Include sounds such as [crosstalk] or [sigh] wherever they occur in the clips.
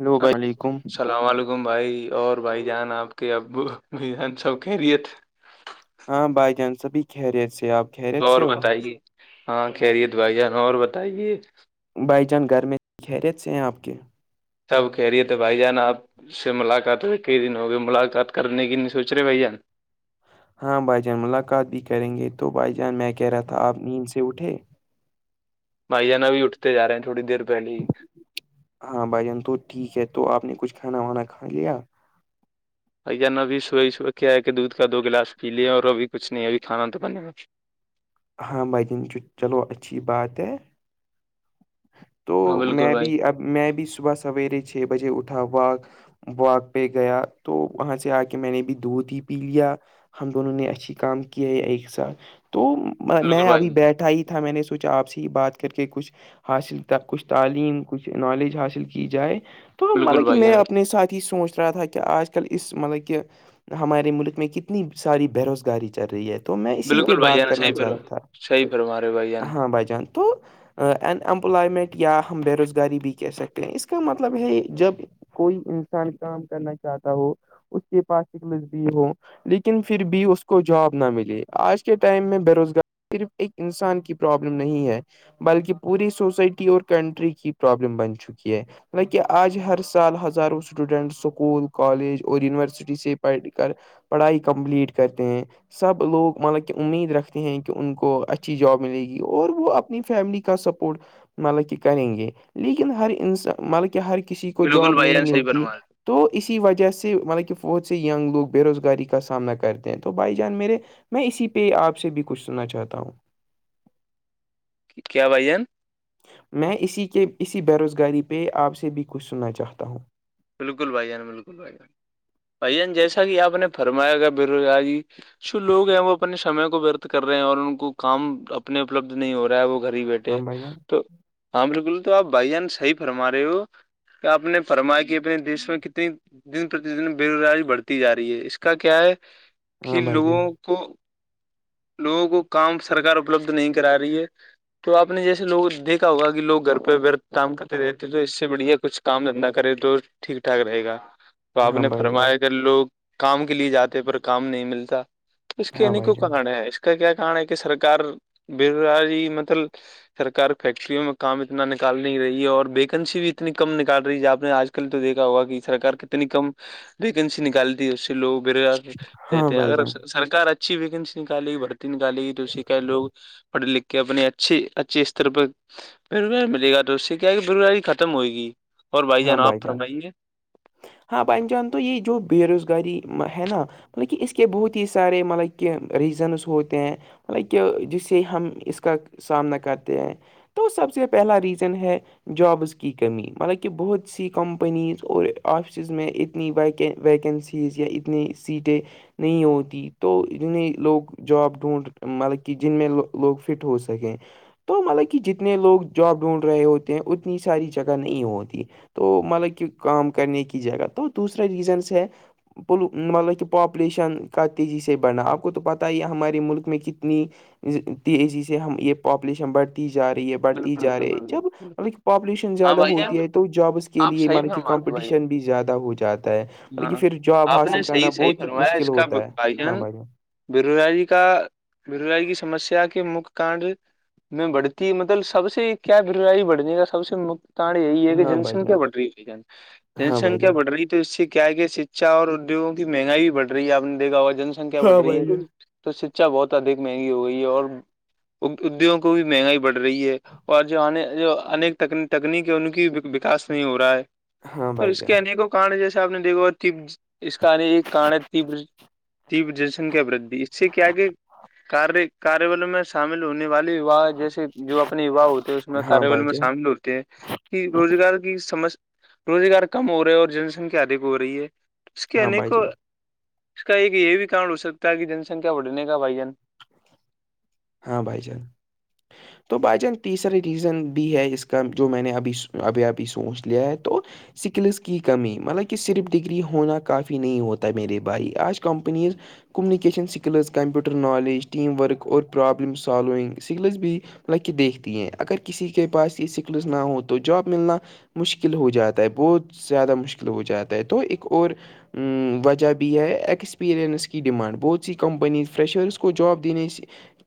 hello وعلیکم سلام وعلیکم م بھائی اور بھائی جان آپ کے ابو جان سب خیرت ہاں بھائی جان سبھی خیریت سے آپ خیریت اور سے ہو بتائیے ہاں خریت بھائی جان اور بتائیے بائی جان گھر میں خیریت سے آپ کے سب خیریت ہیے بھائی جان آپ اس سے ملاقات کئی دن ہو گئے ملاقات کرنے کی نہیں سوچ رہے بھ جان ہاں بھائی جان ملاقات بھی کریں گے تو بھائی جان میں کہہ رہا تھا آپ نیند سے اٹھے [inaudible] بھائ جان ابھی اٹھتے جا رہے ہیں تھوڑی دیر پہلے ہی ہاں بھائی جان تو ٹھیک ہے تو آپ نے کچھ کھانا وانا کھا لیا بھ جان اب صبح ہی صبح کے آ ہے کہ دودھ کا دو گلاس پی لے اور ابھی کچھ نہیں ابھی کھانا تو بنے گا ہاں بھاجن چ چلو اچھی بات ہے تو ہاں بالکل میں بھائی بھی اب میں بھی صبح سویرے چھ بجے اٹھا واک وااک پہ گیا تو وہاں سے آ کے میں نے بھی دودھ ہی پی لیا ہم دونوں نے اچھی کام کی ہیں ایک ساتھ تو بالکل میں ابھی بھائی بیٹھا ہی تھا میں نے سوچا آپ سے ہی بات کر کے کچھ حاصل کچھ تعلیم کچھ نالج حاصل کی جائے تو بالکل مطلب کہ بھائی میں جان اپنے ساتھ ہی سوچ رہا تھا کہ کہ آج کل اس مطلب کہ ہمارے ملک میں کتنی ساری بےروزگاری چل رہی ہے تو میں اسی پہ بالکل بھائی بات جان کرنا صحیح فرما چاہتا صحیح فرما رہے ہو بھائی تھا جان ہاں بھائی جان تو امپلائمنٹ یا ہم بے روزگاری بھی کہہ سکتے ہیں اس کا مطلب ہے جب کوئی انسان کام کرنا چاہتا ہو اس کے پاس ایک لزبی ہو لیکن پھر بھی اس کو جاب نہ ملے آج کے ٹائم میں بے روزگار صرف ایک انسان کی پرابلم نہیں ہے بلکہ پوری سوسائٹی اور کنٹری کی پرابلم بن چکی ہے لکہ آج ہر سال ہزاروں اسٹوڈینٹ اسکول کالج اور یونیورسٹی سے پڑھ کر پڑھائی کمپلیٹ کرتے ہیں سب لوگ مطلب کہ امید رکھتے ہیں کہ ان کو اچھی جاب ملے گی اور وہ اپنی فیملی کا سپ مطلب کہ کریں گے لیکن ہر انسان مطلب کہ ہر کسی کے کو بالکل جاب بھائی نہیں جان صحیح ملتی فرما رہے تو اسی وجہ سے مطلب کہ بہت سے ینگ لوگ بےروزگاری کا سامنا کرتے ہیں تو بائی جان میرے میں اسی پہ آپ سے بھی کچھ سننا چاہتا ہوں کیا بایی جان میں اسی کے اسی بے روزگاری پہ آپ سے بھی کچھ سننا چاہتا ہوں بالکل بھائی جان بالکل بھائی جان بھائی جان جیسا کہ آپ نے فرمایا گ بے روزگاریاری جو لوگ ہیں وہ اپنے سمے کو ورت کر رہے ہیں اور ان کو کام اپنے اپلبد نہیں ہو رہا ہے وہ گھر ہی بیٹھے ہاں ہے بھائی جان تو ہاں بالکل تو آپ بھائی جان صحیح فرما رہے ہو کہ آپ نے فرما کہ اپنے دیش میں کتنی دن پرتی دن بے روزگاری بڑھتی جا رہی ہے اس کا کیا ہے ہاں کہ بھائی لوگوں جان کو لوگوں کو کام سرکار اپلبدھ نہیں کرا رہی ہے تو آپ نے جیسے لوگ دیکھا ہوا کہ لوگ گھر پہ بت کام کرتے رہتے تو اس سے بڑھیا کچھ کام دھندا کرے تو ٹھیک ٹھاک رہے گا تو آپ ہاں نے بھائی جان فرمایا اگر لوگ کام کے لیے جاتے پر کام نہیں ملتا اس کے ہاں بھائی انیکوں جان کارن ہے کا کیا کنا ہے کہ سرک بےزاری مطلب سرکار فیکٹریوں میں کام اتنا نکال نہیں رہی ہے اور ویکنسی بھی اتنی کم نکال رہی ہے ج آپ نے آج تو دیکھا ہوگا کہ سرار کتنی کم ویکینسی نکالتی ہے اس سے لوگ بوزگار ہاں کہتے ہیں بھائی اگر جان سرار اچھی ویکینسی نکالے گی بھرتی نکالے گی تو اسی کہ لوگ پڑھ لکھ کے اپنی اچھی اچھے استر پر ف ملے گا تو اس سے کیا کہ فبرری ختم ہوئے گی اور بھائی جان آپ فرمائیں گے ہاں بھائین جان تو یہ جو بے روزگاری ہے نا مطلب کہ اس کے بہت ہی سارے مطلب کہ ریزنس ہوتے ہیں ہالائک جس سے ہم اس کا سامنا کرتے ہیں تو سب سے پہلا ریزن ہے جابس کی کمی مطلب کہ بہت سی کمپنیز اور آفسز میں اتنی و ویکینسیز یا اتنی سیٹیں نہیں ہوتی تو جتیں لوگ جاب ڈھونڈ مطلب کہ جن میں لوگ فٹ ہو سکیں تو مطلب کہ جتنے لوگ جاب ڈھونڈ رہے ہوتے ہیں اتنی ساری جگہ نہیں ہوتی تو مطلب کہ کام کرنے کی جگہ تو دوسرے ریزنس ہے مطلب کہ پاپولیشن کا تیزی سے بڑھا آپ کو تو پتہ ہی ہے ہمارے ملک میں کتنی تیزی سے ہم یہ پاپولیشن بڑھتی جا رہی ہے بڑھتی بالکل جا رہی ہے بالکل جب بالکل مطلب پاپولیشن ہاں زیادہ بھائی جان ہوتی ہے تو جابس کے آپ لیے صحیح مطلب فرما کمپنی رہے ہو بھائی جان بھی زیادہ ہو جاتا ہے مطلب کہ ہاں پھر جاب آپ نے حاصل صحیح کرنا صحیح بہت ہی مشکل ہوتا ہے ہاں بھائی بیروزاری کا بوزاری کی سمسیا کے مک کانڈ میں بڑھتی مطلب سب سے کیا ب بڑھنے کا سب سے ڑ یہی ہے کہ ہاں بھائی جنسن جان کیا بڑ رہی ہے ہاں جنسن بھائی کیا جان بڑھ رہی تو اس سے کیا کہ شکچھا اور ادیوگوں کی مہنگائی بھی بڑھ رہی ہے آپ نے دھا ہوگا جن سنکھیا بڑھ رہی ہے تو شکھا بہت ادھک مہنگی ہو گئی ہے اور ادیگوں کو بھی مہنگائی بڑھ رہی ہے اور جو جویک تکنیک ہے ان کی وکاس نہیں ہو رہا ہے ہاں اور بھائی اس جان کے انیکوں کارن جیسے آپ نے دیکھا تب اس کایک کارن ہے تب دی جنسنکھیا ورد بھی اس سے کیاگاراروں میں شامل ہونے والےاہ جیسے جو اپنے وواہ ہوتے ہیں اس میں ہاں کاریابل بھائی میں جان شامل ہوتے ہیں کہ روزگار کی سم روزگار کم ہو رہا ہے اور جن سنکھیا ادھک ہو رہی ہے اس کے ہاں بھائی جان ہاں بھائی انیکوں جان اس کا ایک یہ بھی کارن ہو سکتا ہے کہ جن سنکھیا بڑھنے کا بھائی جان ہاں بھائی چان تو بھائی جان تیسرا ریزن بھی ہے اس کا جو میں نے ابھی ابھی ابھی سوچ لیا ہے تو سکلس کی کمی مطلب کہ صرف ڈگری ہونا کافی نہیں ہوتا میرے بھائی آج companies communication skills computer knowledge team work اور پرابلم سالونگ سکلز بھی لگ کے دیکھتی ہیں اگر کسی کے پاس یہ اسکلس نہ ہو تو جاب ملنا مشکل ہو جاتا ہے بہت زیادہ مشکل ہو جاتا ہے تو ایک اور وجہ بھی ہے ایکسپریئنس کی ڈیمانڈ بہت سی کمپنی فریشرس کو جاب دینے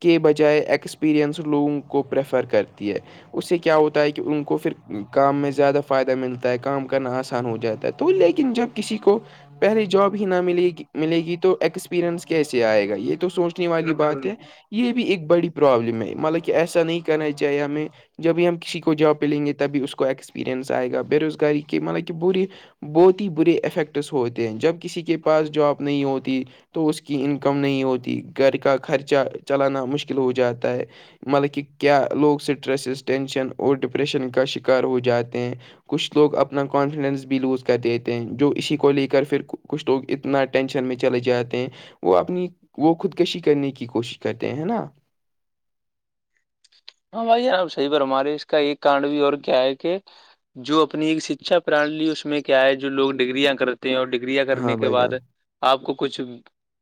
کے بجائے ایکسپییرئنس لوگوں کو پریفر کرتی ہے اس سے کیا ہوتا ہے کہ ان کو پھر کام میں زیادہ فائدہ ملتا ہے کام کرنا آسان ہو جاتا ہے تو تو لیکن جب کسی کو پہلی جاب ہی نہ ملے ملے گی تو ایکسپییرئنس کیسے آئے گا یہ تو سوچ والی بات ہے یہ بھی ایک بڑی پرابلم ہے مطلب کہ ایسا نہیں کرنا چاہیے ہمیں جبھی ہم کسی کو جاب پہلیں گے تبھی اس کو ایکسپیریئنس آئے گا بے روزگاری کے مطلب کہ بوری بہت ہی برے افیکٹس ہوتے ہیں جب کسی کے پاس جاب نہیں ہوتی تو اس کی انکم نہیں ہوتی گھر کا خرچہ چلانا مشکل ہو جاتا ہے مطلب کہ کیا لوگ اسٹریسز ٹینشن اور ڈپریشن کا شکار ہو جاتے ہیں کچھ لوگ اپنا کانفیڈنس بھی لوز کر دیتے ہیں جو اسی کو لے کر پھر کچھ لوگ انا اپتنا ٹینشن میں چلے جاتے ہیں وہ اپنی وہ خودکشی کرنے کی کوشش کرتے ہیں ہے نا ہاں بھائی نب صحیح پر ہمارے اس کا ایک کانڈ بھی اور کیا ہے کہ جو اپنی ایک شکچھا پرنالی اس میں کیا ہے جو لوگ ڈگریاں کر اور ڈگریاں ہاں کرنے کے بھائی بعد جان آپ کو کچھ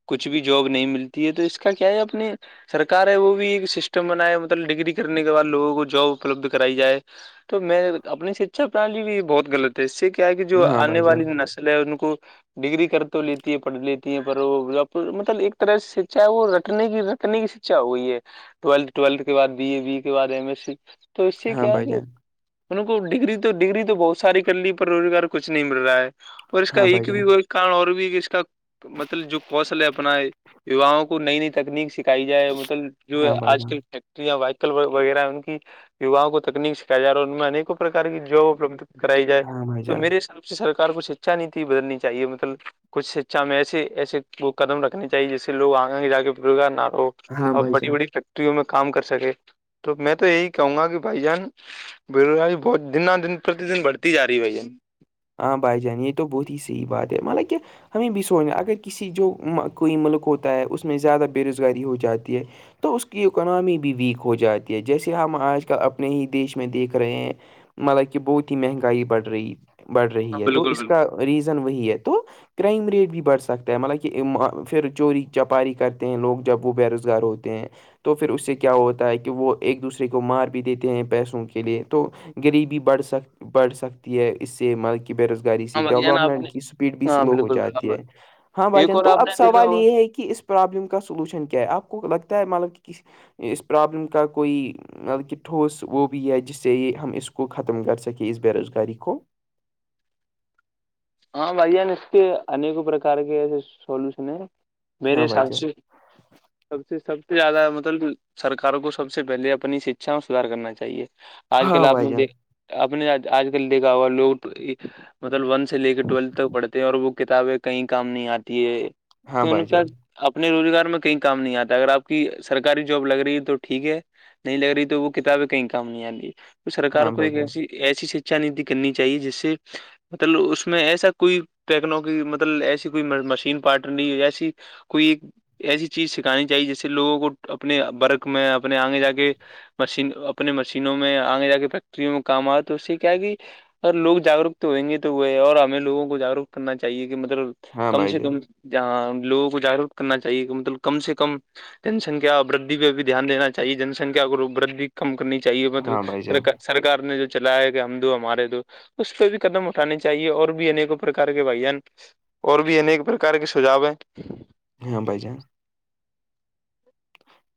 کچھ بھی جاب نہیں ملتی ہے تو اس کا کیا ہے اپنی سرار ہے وہ بھی ایک سسٹم بنایا ڈگری کرنے کے بعد لووں کو جاب اپلبدھ کرائی جائے تو میں اپنی شکھا پرنالی بھی بہت غلط ہے اس سے کیا ہے کہ جو ہاں آنے بھائی والی جان نس میں ان کو ڈگری کر تو لیتی ہے پڑھ لیتی ہے پر وہ آپ مطلب ایک طرح سے سچھا ہے وہ رٹنے کی رٹنے کی اچھا وہ ہے ٹویلھ ٹویلھ کے بع بی اے بی کے بعد ایم ایس سی تو اس سے ہاں کیا ہے بھائی کہ جان ان کو ڈگری تو ڈگری تو بہت ساری کر لی پر روزگار کچھ نہیں مل رہا ہے اور اس کا ہاں بھائی ایک بھی جان وہ ک اور بھی اس کا مطلب جو کوشل ہے اپنا ہے یوؤں کو نئی نئی تکنیک سکھائی جائے مطلب جو ہاں بھائی آج جان کل یا وائیکل وغیرہ ان کی یواؤں کو تکنیک سکھایا جا ہے اور ان میں اکوں پرار کی جاب اپلبد کرائی جائے ہاں بھائی تو جان میرے حساب سے سرار کو شکچھا نیتی بدلنی چاہیے مطلب کچھ شکچھا میں ایے ایسے کو قدم رکھنی چاہیے جیسے لوگ آگیں گ جا کے بگا نہارو ہاں اپ بھائی بڑی جان بڑی فیکٹریوں میں کام کر سکے تو میں تو یہی کہوں گا کہ بھائی جان باری بہت دن دن پر دن بڑھتی ج رہی ہے بھ ہاں بھائی جان یہ تو بہت ہی صح بات ہے مطلب کیا ہمیں بھی سوچنا اگر کسی جو کوئی ملک ہوتا ہے اس میں زیادہ بے روزگاری ہو جاتی ہے تو اس کی اکناممی بھی ویک ہو جاتی ہے جیسے ہم آج کل اپنے ہی دیش میں دیکھ رہے ہیں مطلب کہ بہت ہی مہنگائی بڑھ رہی بڑھ ہاں رہی ہے تو بالکل اس بالکل کا ریزن وہی ہے تو کرائم ریٹ بھی بڑھ سکتا ہے مطلب کہ پھر چوری چپاری کرتے ہیں لوگ جب وہ بے روزگار ہوتے ہیں تو پھر اس سے کیا ہوتا ہے کہ وہ ایک دوسرے کو مار بھی دیتے ہیں پیسوں کے لیے تو غریبی بڑھ سک بڑھ سکتی ہے اس سے م بے روزگاری سے ہاں بھائی جان آپ نے ڈیولپمنٹ کی اسپیڈ بھی ہاں سلو ہو بالکل جاتی ہے بالکل ہاں بھائی ایک جان اور تو آپ اب نے دیکھا سوال ہوگا یہ ہے کہ اس پروابلم کا سولوشن کیا ہے آپ کو لگتا ہے مطلب کہ کسی اس پرابلم کا کوئی ملکہ ٹھوس وہ بھی ہے جس سے یہ ہم اس کو ختم کر سکیں اس بے روزگاری کو ہاں بھائییا ن اس کے ایکوں پرکار کے ایسے سولوشن ہیں میرے ہاں بھائی حساب جان سے سب سے سب سے زیادہ مطلب سرک کو سب سے پہلے اپنی شکچھا سدار کرنا چاہیے آج کل ہاں آپ بھائی نے جان دیکھ آپ نے آج کل دیکا ہوا لوگ مطلب ونش [inaudible] سے لے کے ٹویلتھ تک پڑھتے ہیں اور وہ کتابیں کہیں کام نہیں آتی ہے ہاں کہ ان بھائی کا جان اپنے روزگار میں کہیں کام نہیں آتا اگر آپ کی سرکاری جاب لگ رہی ہے تو ٹھیک ہے نہیں لگ رہی تو وہ کتابیں کہیں کام نہیں آتی سرکار ہاں کو بھائی ایک جان ایسی ایسی شکھا نیتی کرنی چاہیے جس سے مطلب اس میں ایسا کوئی ٹیکنی مطلب ایسی کوئی مشین پارٹ نہیں ایسی کوئی ایسی چیز سکھانی چاہیے جیسے لوگوں کو اپنے برک میں اپنے آگے جا کے مشین اپنے مشینوں میں آگے جا کے فیکٹریوں میں کام آئے تو اس سے کیا کہ اگر لوگ جاگروک تو ہوئیں گے تو وہ اور ہمیں لوگوں کو جاگروک کرنا چاہیے کہ مطلب ہاں کم بھائی سے جان کم جہاں لوگوں کو جاگروک کرنا چاہیے کہ مطلب کم سے کم [inaudible] جنسنکھیا ودی پہ بھی دھیان دین چاہیے جن سنکھیا کو ودھھی کم کرنی چاہیے ہاں بھائی مطلب سر جان سرکار نے جو چلایا کہ ہم دو ہمارے دو اس پہ بھی قدم اٹھانے چاہیے اور بھی انیک پرکار کے بھائیان اور بھی انیک پرکار کے سجاو ہیں ہاں بجان [unintelligible]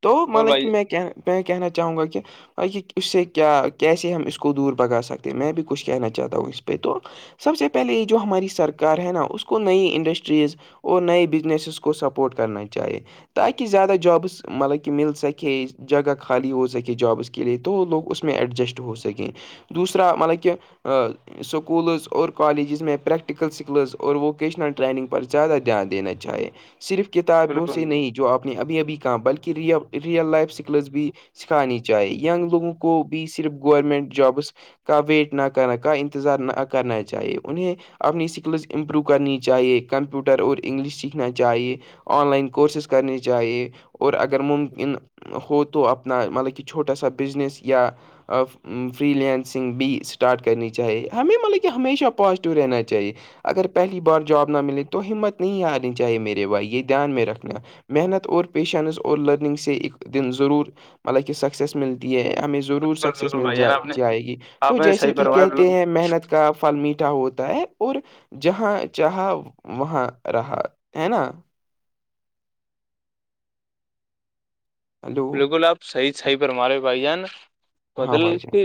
تو اور مطلب کہ بھائی میں میں کہنا چاہوں گا کہ ب کہ اس سے کیا کیسے ہم اس کو دور بگا سکتے ہیں میں بھی کچھ کہنا چاہتا ہوں اس پہ تو سب سے پہلے یہ جو ہماری سرکار ہے نا اس کو نئی انڈسٹریز اور نئے بزنسس کو سپورٹ کرنا چاہیے تاکہ زیادہ جابس مطلب کہ مل سکے جگہ خالی ہو سکے جابس کے لیے تو لوگ اس میں ایڈجسٹ ہو سکیں دوسرا مطلب کہ اسکولز اور کالجز میں پریکٹیکل اسکلز اور ووکیشنل ٹریننگ پر زیادہ دھیان دینا چاہے صرف کتابوں سے بالکل نہیں جو آپ نے ابھی ابھی کہا بلکہی ریئل لائف سکلز بھی سکھانی چاہی ینگ لوگوں کو بھی صرف گورمنٹ جابس کا ویٹ نہ کر کا انتظار نہ کرنا چاہیے انہیں اپنی اسکلز امپرو کرنی چاہیے کمپیوٹر اور انگلش سیکھنا چاہیے آن لائن کورسز کرنے چاہیے اور اگر ممکن ہو تو اپنا مطلب کہ چھوٹا سا بزنس یا فری لینسنگ بھی اسٹارٹ کرنی چاہیے ہمیں مطلب کہ ہمیشہ پازیٹیو رہنا چاہیے اگر پہلی بار جاب نہ ملے تو ہمت نہیں ہارنی چاہے میرے بھائی یہ دھیان میں رکھنا محنت اور پیشنس اور لرننگ سے ایک دن ضرور مطکہ س سیس ملتی ہے ہمیں ضرور بالکل سکسیس بالکل مل بھائی ج جان آپ نے جائے گی تو آپ نے جیسے صحیح کہ فرمایا کہتے بالکل ہیں محنت کا فھل میٹھا ہوتا ہے اور جہاں چاہا وہاں رہا ہے نا ہلو بالکل آپ صحیح صحیح پرمارے بھائی جان ہاں بدل بھائی جان کے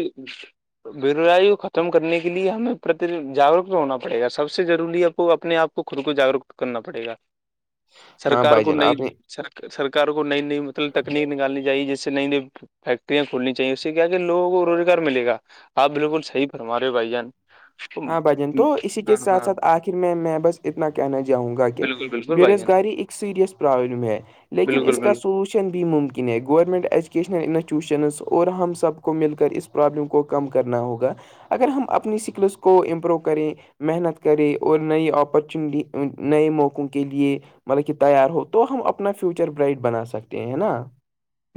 بے روزائی کو ختم کرنے کے لیے ہمیں پرتی جاگروک ہونا پڑے گا سب سے روری آپ کو اپنے آپ کو کو خود کو جاگروک کرنا پڑےا [inaudible] ہاں سرار بھائی کو جان نئی آپ نے سرکار کو نئی نئی مطلب تکنیک نکالنی چاہیے جس سے نئی نئی فیکٹریاں کھولنی چاہیے اس سے کیا کہ لووں کو روزگار ملے گ آپ بالکل صحی فرا رہے ہو بائی جان ہاں بھجن تو اسی کے ہاں ساتھ ہاں ساتھ آخر میں میں بس اتنا کہنا چاہوں گا کہ بالکل بالکل ب بھائی جان روزگاری اک سیریس پررابلم ہے لیکن بالکل اس کا بالکل سوچ ن بھی ممکن ہے گورنمنٹ ایجوکیشنل انسٹیٹیوشن اور ہم سب کو مل کر اس پرابلم کو کم کرنا ہوگا اگر ہم اپنی سکلس کو کو امپروو کریں محنت کریں اور نئی اپرچونیٹی نئے موقعوں کے لیے مطلب کہ تیار ہو تو ہم اپنا فیوچر برائٹ بنا سکتے ہیں ہے نا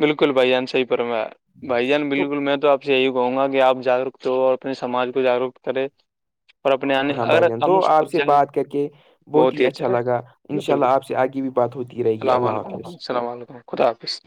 بالکل بھائی جان صحی پرم ہے بھائی جان بالکل میں تو آپ یہی کہوں گا کہ آپ جاگروک ہو اور اپنے سمج کو جاگروک کرے اور اپنے آنے ہاں بھائی اگر جان ہم تو اس آپ خود سے جائیں گے بات کر کے بہت ہی اچھا رہ لگا ان شاء بالکل اللہ آپ بالکل سے آگے بھی بات ہوتی رہے گی السلام اللہ علیکم وم حافظ السلام علیکم خدا حافظ